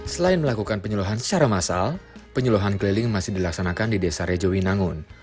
selain melakukan penyeluhan secara massal penyuluhan keliling masih dilaksanakan di desa rejowinangun